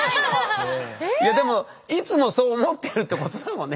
いやでもいつもそう思ってるってことかもね。